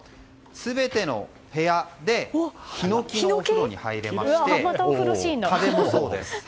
全ての部屋でヒノキのお風呂に入れまして壁もそうです。